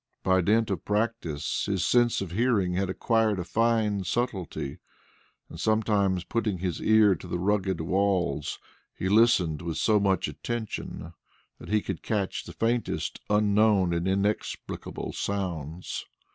By dint of practice, his sense of hearing had acquired a fine subtlety, and sometimes putting his ear to the rugged walls, he listened with so much attention that he could catch the faintest unknown and inexplicable sounds.